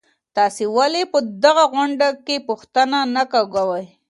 تاسو ولي په دغه غونډې کي پوښتنه نه کوئ؟